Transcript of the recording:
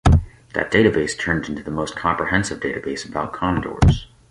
That database turned into the most comprehensive database about condors.